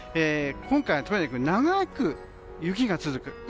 今回は、とにかく長く雪が続く。